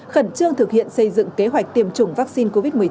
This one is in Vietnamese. khẩn trương thực hiện xây dựng kế hoạch tiêm chủng vaccine